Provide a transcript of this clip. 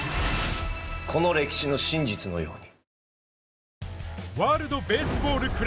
この歴史の真実のように。